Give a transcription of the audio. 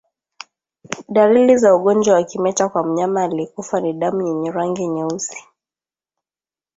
Dalili za ugonjwa wa kimeta kwa mnyama aliyekufa ni damu yenye rangi nyeusi